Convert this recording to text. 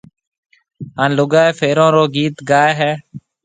ھان لوگائيَ ڦيرون رو گيت گائيَ ھيََََ